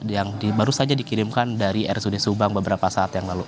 yang baru saja dikirimkan dari rsud subang beberapa saat yang lalu